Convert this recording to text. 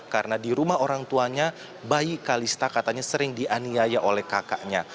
karena di rumah orang tuanya bayi kalista katanya sering dianiaya oleh kakaknya